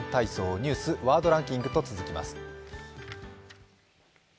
ニュース、ワードランキングと続きます。